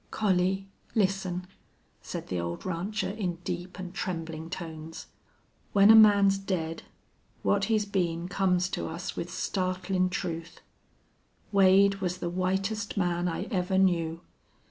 "Collie, listen," said the old rancher, in deep and trembling tones. "When a man's dead, what he's been comes to us with startlin' truth. Wade was the whitest man I ever knew.